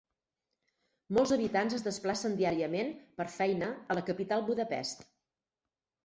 Molts habitants es desplacen diàriament per feina a la capital Budapest.